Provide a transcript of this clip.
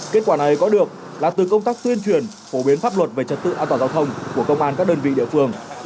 kết quả này có được là từ công tác tuyên truyền phổ biến pháp luật về trật tự an toàn giao thông của công an các đơn vị địa phương